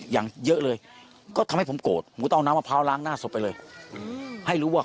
อย่างเยอะเลยก็ทำให้ผมโกรธผมก็ต้องเอาน้ำมะพร้าวล้างหน้าศพไปเลยให้รู้ว่า